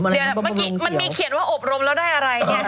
เดี๋ยวเมื่อกี้มันมีเขียนว่าอบรมแล้วได้อะไรเนี่ย